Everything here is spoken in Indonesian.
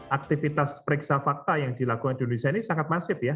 aktivitas periksa fakta yang dilakukan di indonesia ini sangat masif ya